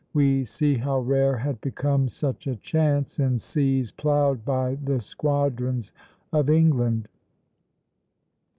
We see how rare had become such a chance in seas ploughed by the squadrons of England."